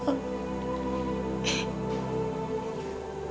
jangan hukuman aku ya allah